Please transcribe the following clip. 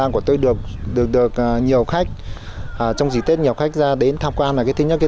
này tôi được được được nhiều khách trong chỉ tết nhiều khách ra đến tham quan là cái thứ nhất cái